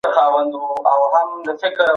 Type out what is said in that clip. د لويي جرګې په وروستي پرېکړه لیک کي څه راغلي دي؟